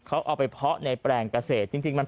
เขาเอาไปเพาะในแปลงเกษตรจริง